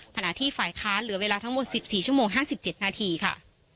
ขณะที่ฝ่ายค้านเหลือเวลาทั้งหมด๑๔ชั่วโมง๕๗นาทีค่ะ